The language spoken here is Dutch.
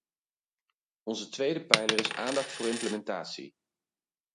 Onze tweede pijler is aandacht voor implementatie.